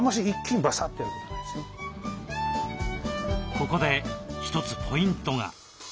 ここで一つポイントが。